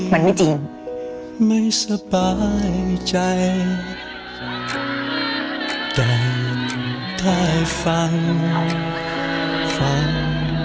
มันไม่จริง